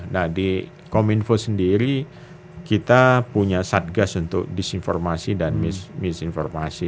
nah di kominfo sendiri kita punya satgas untuk disinformasi dan misinformasi